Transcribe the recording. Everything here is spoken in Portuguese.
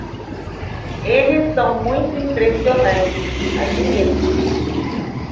Eles são muito impressionantes, admito.